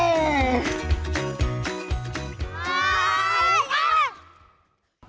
อุลายอับ